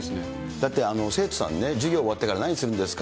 だって、生徒さんね、授業終わってから何するんですか？